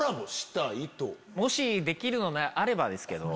もしできるのであればですけど。